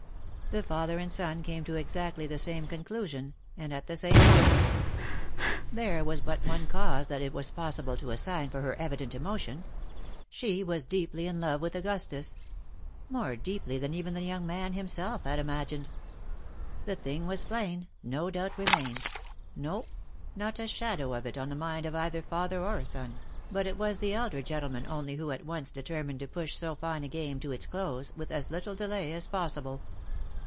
The father and son came to exactly the same conclusion, and at the same moment. There was but one cause that it was possible to assign for her evident emotion. She was deeply in love with Augustus, — more deeply than even the young man himself had imagined. The thing was plain, no doubt remained, no not a shadow of it on the mind of either father or son, but it was the elder gentleman only who at once determined to push so fine a game to its close, with as little delay as possible.